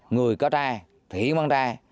người có tre thì hiến bán tre